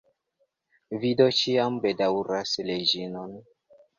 Vi do ĉiam bedaŭras Reĝinon?